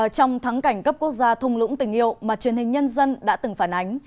trong tháng cảnh cấp quốc gia thùng lũng tình yêu mà truyền hình nhân dân đã từng phản ánh